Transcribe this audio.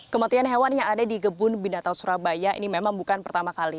kematian hewan yang ada di kebun binatang surabaya ini memang bukan pertama kali